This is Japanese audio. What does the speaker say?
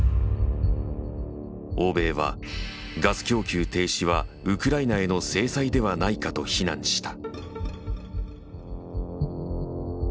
欧米はガス供給停止はウクライナへの制裁ではないかと非難した。